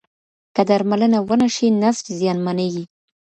که درملنه و نه شي، نسج زیانمنېږي.